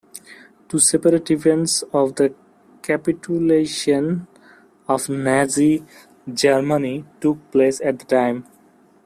Two separate events of the capitulation of Nazi Germany took place at the time.